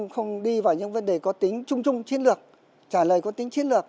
không đi vào những vấn đề có tính trung trung chiến lược